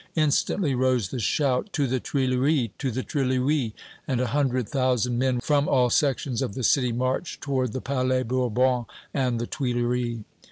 Instantly rose the shout, "To the Tuileries! To the Tuileries!" and a hundred thousand men from all sections of the city marched toward the Palais Bourbon and the Tuileries!